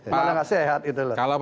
malah gak sehat gitu loh